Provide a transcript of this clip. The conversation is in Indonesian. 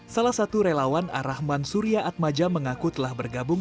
salah satu relawan arrahman surya atmaja mengaku telah bergabung